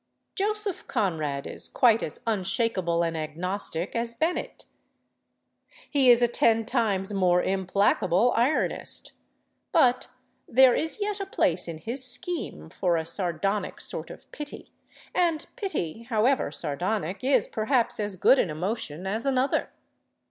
Joseph Conrad is quite as unshakable an agnostic as Bennett; he is a ten times more implacable ironist. But there is yet a place in his scheme for a sardonic sort of pity, and pity, however sardonic, is perhaps as good an emotion as another.